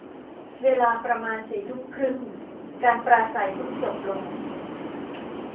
เวลาประมาณสี่ทุ่มครึ่ง การปราศรัยเพิ่งจบลง